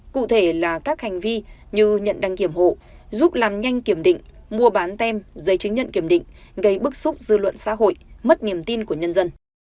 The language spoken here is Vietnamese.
cụ thể là các hành vi như nhận đăng kiểm hộ giúp làm nhanh kiểm định mua bán tem giấy chứng nhận kiểm định gây bức xúc dư luận xã hội mất niềm tin của nhân dân